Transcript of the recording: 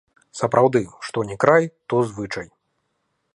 Сапраўды, што ні край, то звычай.